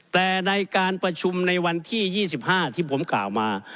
แต่ในการประชุมในวันที่๒๕ที่ผมกล่าวมา